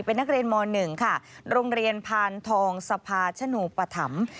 เป็นนักเรียนม๑ค่ะโรงเรียนพานทองสภาชนูปธรรม